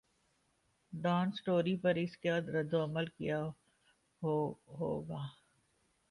Dawn story پر اس کا ردعمل کیا ہو گا؟